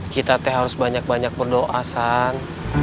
kita teh harus banyak banyak berdoa san